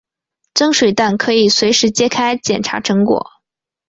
蒸水蛋可以随时揭开捡查成果。